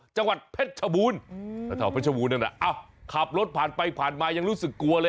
จังหวัดเพชรบูรณ์ถ้าเท่าเพชรบูรณ์นั้นขับรถผ่านไปผ่านมายังรู้สึกกลัวเลย